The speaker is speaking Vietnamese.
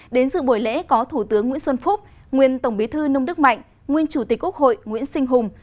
đến dự buổi lễ có thủ tướng nguyễn xuân phúc nguyên tổng bí thư nông đức mạnh nguyên chủ tịch quốc hội nguyễn sinh hùng